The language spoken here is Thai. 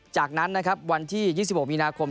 จากนั้นนะครับวันที่๒๖มีนาคม